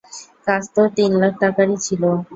কাজ তো তিন লাখ টাকারই ছিল।